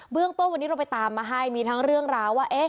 เรื่องต้นวันนี้เราไปตามมาให้มีทั้งเรื่องราวว่า